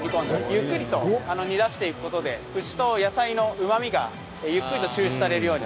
ゆっくりと煮出していく事で牛と野菜のうまみがゆっくりと抽出されるようになっております。